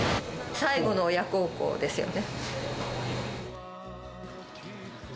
最後の親孝行ですよね。